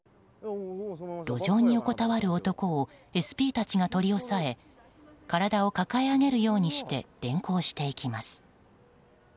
路上に横たわる男をＳＰたちが取り押さえ体を抱え上げるようにして連行していきます。